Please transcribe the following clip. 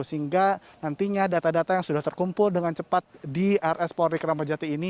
sehingga nantinya data data yang sudah terkumpul dengan cepat di rs polri keramajati ini